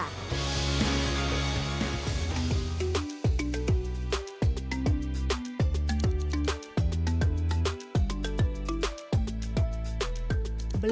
hingga meluah polpa memilih keping